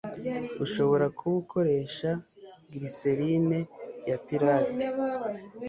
Ushobora kuba ukoresha glycerine ya pirate